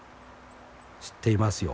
『知っていますよ